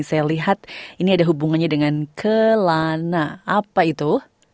saya lihat ini ada hubungannya dengan kelana apa itu